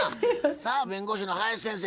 さあ弁護士の林先生